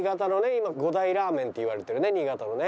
今５大ラーメンといわれてるね新潟のね。